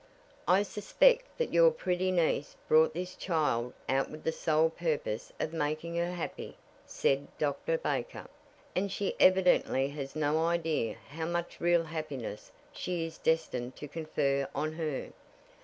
"I suspect that your pretty niece brought this child out with the sole purpose of making her happy," said Dr. Baker, "and she evidently has no idea how much real happiness she is destined to confer on her.